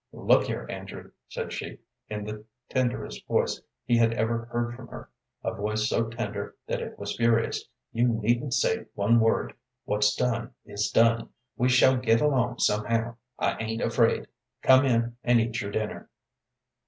"Look here, Andrew," said she, in the tenderest voice he had ever heard from her, a voice so tender that it was furious, "you needn't say one word. What's done's done. We shall get along somehow. I ain't afraid. Come in and eat your dinner!"